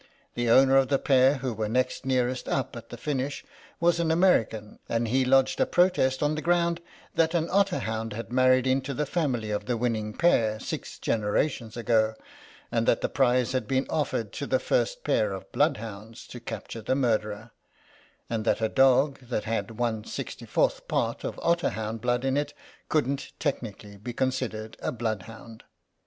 The owner of the pair who were next nearest up at the finish was an American, and he lodged a protest on the ground that an otterhound had married into the family of the winning pair six generations ago, and that the prize had been offered to the first pair of bloodhounds to capture the murderer, and that a dog that had ^th part of otterhound blood in it couldn't technically be considered a bloodhound.